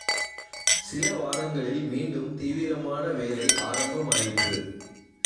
சில வாரங்களில் மீண்டும் தீவிரமான வேலை ஆரம்பமாயிற்று.